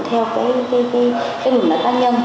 theo cái quy luật đa nhân